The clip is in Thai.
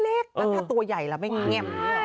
แล้วถ้าตัวใหญ่แล้วไม่เงียบ